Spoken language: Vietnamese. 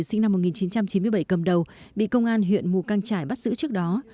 sinh năm một nghìn chín trăm chín mươi bảy cầm đầu bị công an huyện mù căng trải bắt giữ trước đó